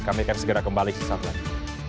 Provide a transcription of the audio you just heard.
kami akan segera kembali sesaat lagi